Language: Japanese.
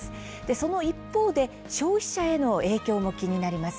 その一方で、消費者への影響も気になります。